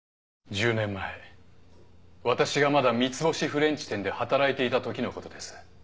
１０年前私がまだ三つ星フレンチ店で働いていたときのことです。